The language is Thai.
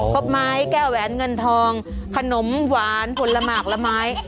พบไม้แก้แหวนเงินทองขนมหวานผลหมากละไม้